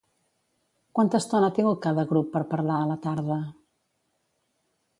Quanta estona ha tingut cada grup per parlar a la tarda?